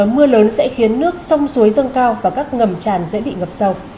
mưa lớn sẽ khiến nước sông suối dâng cao và các ngầm tràn dễ bị ngập sâu